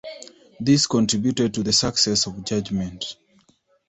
This contributed to the success of "Judgment".